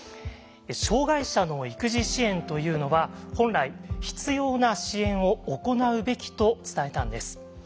障害者の育児支援というのは「本来必要な支援を行うべき」と伝えたんです。